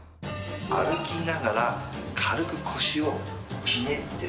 歩きながら軽く腰をひねって触る。